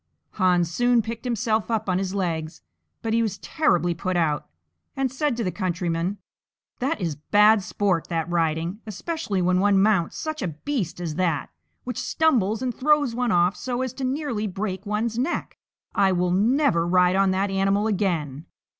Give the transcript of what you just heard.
Hans soon picked himself up on his legs, but he was terribly put out, and said to the countryman, "That is bad sport, that riding, especially when one mounts such a beast as that, which stumbles and throws one off so as to nearly break one's neck. I will never ride on that animal again.